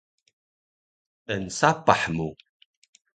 Tnsapah mu